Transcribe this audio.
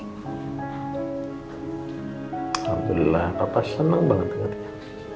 alhamdulillah papa senang banget dengan kamu